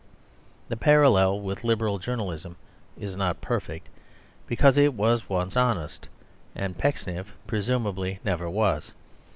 The parallel with Liberal journalism is not perfect; because it was once honest; and Pecksniff presumably never was.